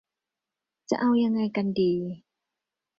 จะเอายังไงกันดี ?